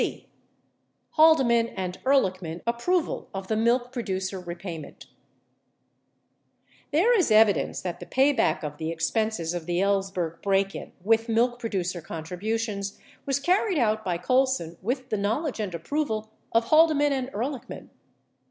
85 c. Haldeman and Ehrlichman Approved of the Milk Producer Re payment There is evidence that the payback of the expenses of the Ellsberg break in with milk producer contributions was carried out by Colson with the knowledge and approval of Haldeman and Ehrlichman.